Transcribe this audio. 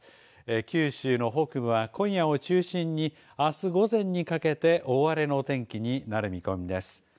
九州の北部は今夜を中心にあす午前にかけて大荒れの天気になる見込みです。